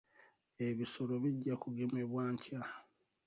Ebisolo bijja kugemebwa nkya.